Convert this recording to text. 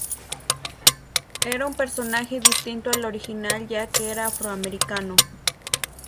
Era un personaje distinto al original ya que era afroamericano.